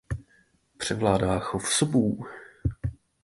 Převládá chov sobů.